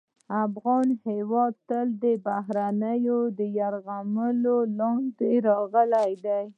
افغان هېواد تل د بهرنیو یرغلونو لاندې راغلی دی